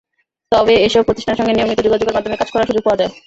তবে এসব প্রতিষ্ঠানের সঙ্গে নিয়মিত যোগাযোগের মাধ্যমে কাজ করার সুযোগ পাওয়া যায়।